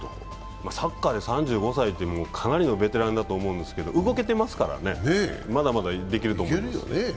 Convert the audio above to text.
サッカーで３５歳というのはかなりのベテランだと思うんですけど、動けてますからね、まだまだできると思います。